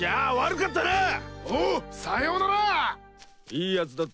いいやつだっ